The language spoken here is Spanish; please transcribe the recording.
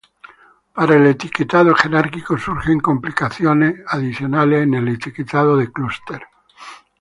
Para el etiquetado jerárquico, surgen complicaciones adicionales en el etiquetado de clúster.